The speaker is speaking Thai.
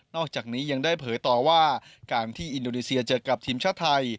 อกจากนี้ยังได้เผยต่อว่าการที่อินโดนีเซียเจอกับทีมชาติไทย